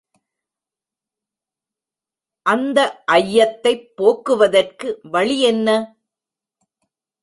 அந்த ஐயத்தைப் போக்குவதற்கு வழி என்ன?